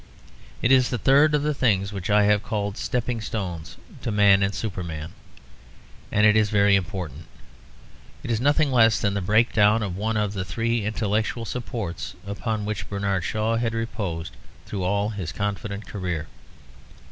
It is the third of the things which I have called stepping stones to Man and Superman, and it is very important. It is nothing less than the breakdown of one of the three intellectual supports upon which Bernard Shaw had reposed through all his confident career.